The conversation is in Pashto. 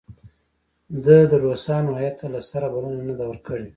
ده د روسانو هیات ته له سره بلنه نه ده ورکړې.